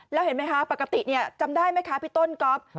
แล้วเห็นไหมคะปกติจำได้ไหมคะพี่ต้นก๊อฟ